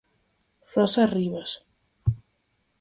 Rosa Rivas.